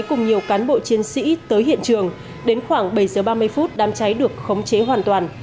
cùng nhiều cán bộ chiến sĩ tới hiện trường đến khoảng bảy giờ ba mươi phút đám cháy được khống chế hoàn toàn